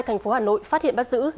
thành phố hà nội phát hiện bắt giữ